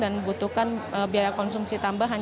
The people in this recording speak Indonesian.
membutuhkan biaya konsumsi tambahan